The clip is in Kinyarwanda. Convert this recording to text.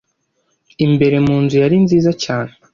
Imbere mu nzu yari nziza cyane.